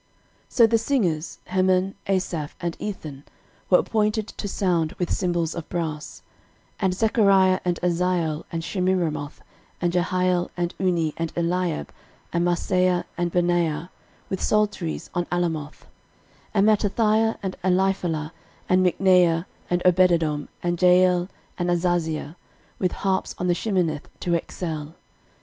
13:015:019 So the singers, Heman, Asaph, and Ethan, were appointed to sound with cymbals of brass; 13:015:020 And Zechariah, and Aziel, and Shemiramoth, and Jehiel, and Unni, and Eliab, and Maaseiah, and Benaiah, with psalteries on Alamoth; 13:015:021 And Mattithiah, and Elipheleh, and Mikneiah, and Obededom, and Jeiel, and Azaziah, with harps on the Sheminith to excel.